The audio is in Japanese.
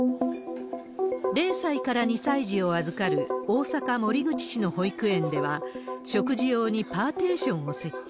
０歳から２歳児を預かる大阪・守口市の保育園では、食事用にパーテーションを設置。